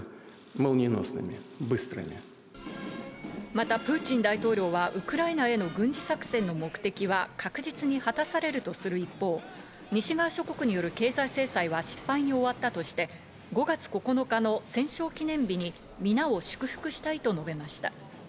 またプーチン大統領はウクライナへの軍事作戦の目的は確実に果たされるとする一方、西側諸国による経済制裁は失敗に終わったとして、５月９日の戦勝記念日に皆を祝福したいと述べました。